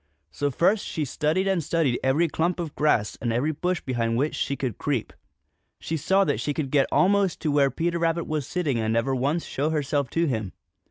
So first she studied and studied every clump of grass and every bush behind which she could creep. She saw that she could get almost to where Peter Rabbit was sitting and never once show herself to him.